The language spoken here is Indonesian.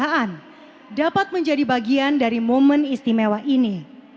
bagaimana kita bisa menjadi bagian dari momen istimewa ini